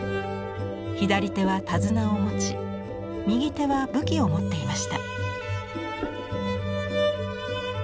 左手は手綱を持ち右手は武器を持っていました。